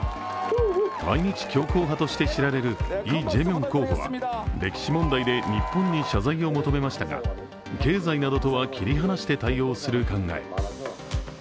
対日強硬派として知られるイ・ジェミョン候補は歴史問題で日本に謝罪を求めましたが経済などとは切り離して対応する考え。